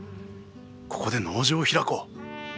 ここで農場を開こう。